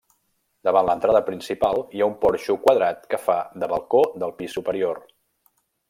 Davant l'entrada principal hi ha un porxo quadrat que fa de balcó del pis superior.